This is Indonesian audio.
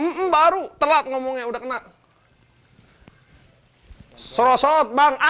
teropp ngomongnya udah kena